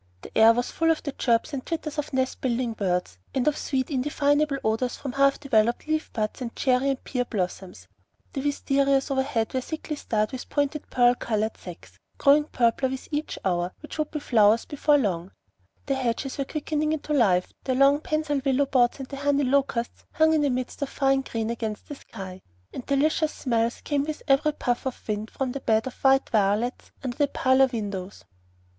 The air was full of the chirps and twitters of nest building birds, and of sweet indefinable odors from half developed leaf buds and cherry and pear blossoms. The wisterias overhead were thickly starred with pointed pearl colored sacs, growing purpler with each hour, which would be flowers before long; the hedges were quickening into life, the long pensile willow boughs and the honey locusts hung in a mist of fine green against the sky, and delicious smells came with every puff of wind from the bed of white violets under the parlor windows.